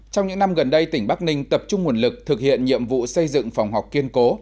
trong những năm gần đây tỉnh bắc ninh tập trung nguồn lực thực hiện nhiệm vụ xây dựng phòng học kiên cố